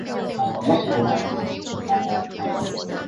当时附属于美国圣塔安娜的国际青年协会。